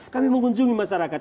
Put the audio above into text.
kami mengunjungi masyarakat